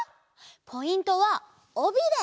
ポイントはおびれ！